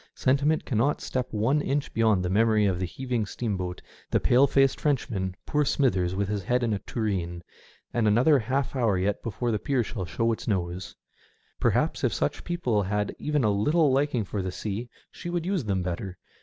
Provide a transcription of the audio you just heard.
Sentiment cannot step one inch beyond the memory of the heaving steamboat, the pale faced Frenchman, poor Smithers with his head in a tureen, and another half hour yet before the pier shall show its nose. Perhaps if such people had even a little liking for the sea she would use them better.